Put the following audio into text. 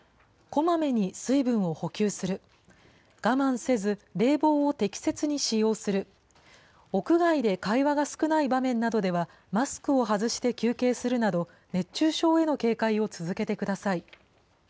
こまめに水分を補給する、我慢せず冷房を適切に使用する、屋外で会話が少ない場面などでは、マスクを外して休憩するなど、熱中症への警戒を続けてください。